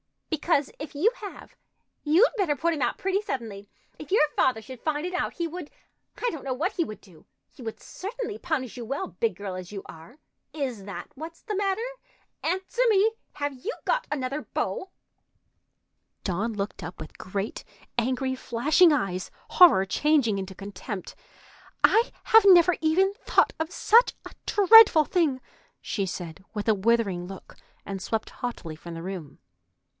"Because if you have, you'd better put him out pretty suddenly. If your father should find it out, he would—I don't know what he would do. He would certainly punish you well, big girl as you are. Is that what's the matter? Answer me! Have you got another beau?" Dawn looked up with great angry, flashing eyes, horror changing into contempt. "I have never even thought of such a dreadful thing!" she said, with a withering look, and swept haughtily from the room.